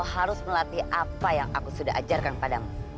harus melatih apa yang aku sudah ajarkan padamu